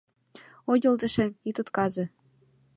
Ой, йолташем, ит отказе